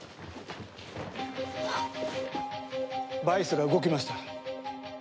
バイスが動きました。